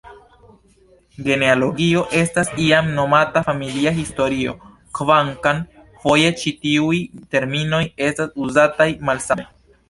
Genealogio estas iam nomata familia historio, kvankam foje ĉi tiuj terminoj estas uzataj malsame.